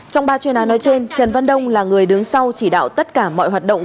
trong ba chuyên án nói trên trần văn đông là người đứng sau chỉ đạo tất cả mọi hoạt động